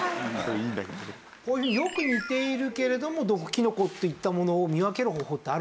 こういうふうによく似ているけれども毒キノコっていったものを見分ける方法ってあるんですか？